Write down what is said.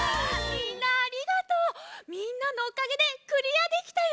みんなのおかげでクリアできたよ！